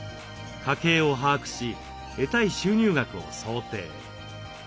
家計を把握し得たい収入額を想定。